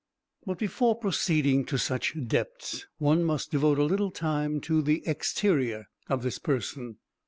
But before proceeding to such depths, one must devote a little time to the exterior of this person.